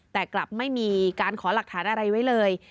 แต่กลับไม่มีการขอหลักฐานอะไรไว้เลย